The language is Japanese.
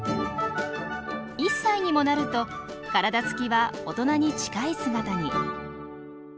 １歳にもなると体つきは大人に近い姿に。